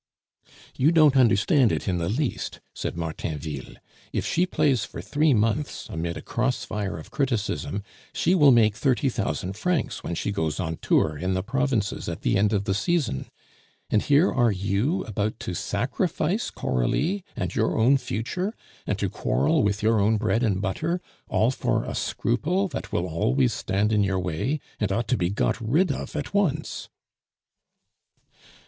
"You don't understand it in the least," said Martainville; "if she plays for three months amid a cross fire of criticism, she will make thirty thousand francs when she goes on tour in the provinces at the end of the season; and here are you about to sacrifice Coralie and your own future, and to quarrel with your own bread and butter, all for a scruple that will always stand in your way, and ought to be got rid of at once."